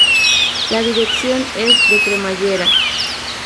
La dirección es de cremallera.